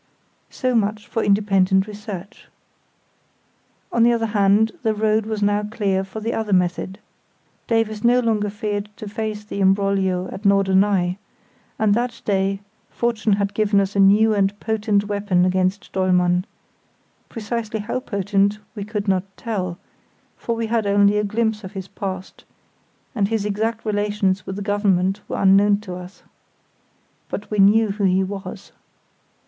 So much for independent research. On the other hand the road was now clear for the other method. Davies no longer feared to face the imbroglio at Norderney; and that day fortune had given us a new and potent weapon against Dollmann; precisely how potent we could not tell, for we had only a glimpse of his past, and his exact relations with the Government were unknown to us. But we knew who he was.